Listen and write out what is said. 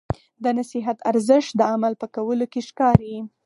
د نصیحت ارزښت د عمل په کولو کې ښکاري.